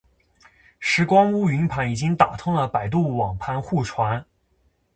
拾光坞云盘已经打通了百度网盘互传